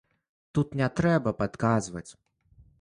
Тут не трэба падказваць.